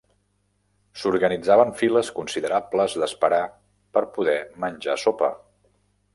S'organitzaven files considerables d'esperar per poder menjar sopa.